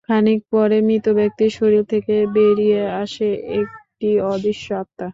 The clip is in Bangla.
খানিক পরে মৃত ব্যক্তির শরীর থেকে বেরিয়ে আসে একটি অদৃশ্য আত্মা।